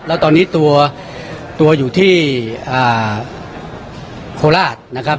แล้วตอนนี้ตัวอยู่ที่โคราชนะครับ